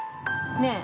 ねえ。